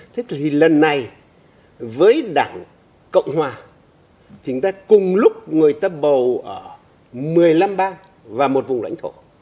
thế thì lần này với đảng cộng hòa thì người ta cùng lúc người ta bầu ở một mươi năm bang và một vùng lãnh thổ